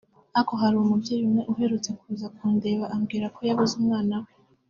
ariko hari umubyeyi umwe uherutse kuza kundeba ambwira ko yabuze umwana we